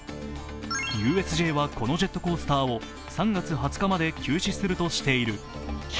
ＵＳＪはこのジェットコースターを３月２０日まで休止するとしている。